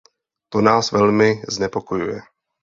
To nás velmi znepokojuje.